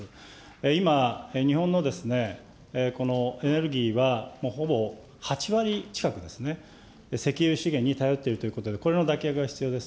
今、日本のですね、このエネルギーは、ほぼ８割近くですね、石油資源に頼っているということで、これの脱却が必要です。